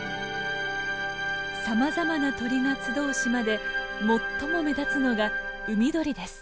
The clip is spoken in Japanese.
さまざまな鳥が集う島で最も目立つのが海鳥です。